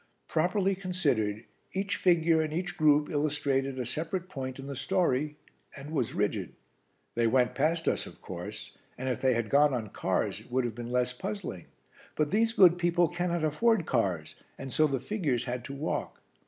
"Properly considered, each figure and each group illustrated a separate point in the story, and was rigid. They went past us, of course; and if they had gone on cars it would have been less puzzling; but these good people cannot afford cars and so the figures had to walk.